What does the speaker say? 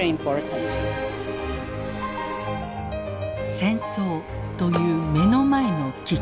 戦争という目の前の危機。